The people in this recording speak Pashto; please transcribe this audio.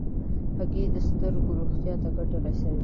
هګۍ د سترګو روغتیا ته ګټه رسوي.